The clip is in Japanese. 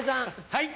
はい。